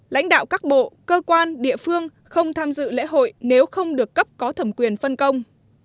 lãnh đạo các bộ cơ quan địa phương không tham dự lễ hội nếu không được cấp có thẩm quyền phân công